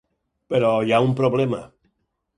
Però hi ha un problema.